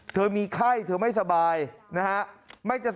เธอมีไข้เธอไม่สบายนะครับ